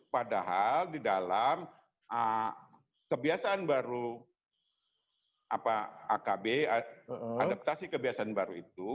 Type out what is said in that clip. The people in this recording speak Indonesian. padahal di dalam kebiasaan baru akb adaptasi kebiasaan baru itu